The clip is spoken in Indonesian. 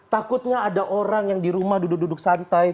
takutnya ada orang yang di rumah duduk duduk santai